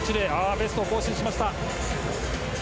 ベストを更新しました。